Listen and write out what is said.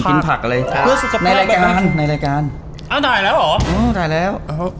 กินผักอะไรในรายการในรายการอ้าวได้แล้วเหรออื้อได้แล้วอ๋อ